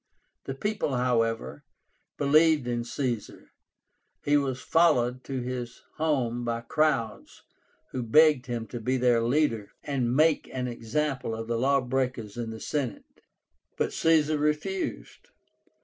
The people, however, believed in Caesar. He was followed to his home by crowds, who begged him to be their leader, and make an example of the law breakers in the Senate. But Caesar refused.